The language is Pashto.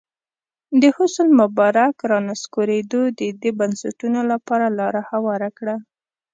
د حسن مبارک رانسکورېدو د دې بنسټونو لپاره لاره هواره کړه.